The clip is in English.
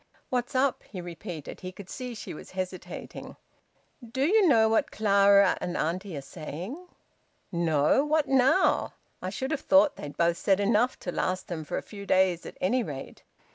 "What's up?" he repeated. He could see she was hesitating. "Do you know what Clara and auntie are saying?" "No! What now? I should have thought they'd both said enough to last them for a few days at any rate."